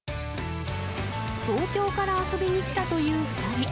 東京から遊びに来たという２人。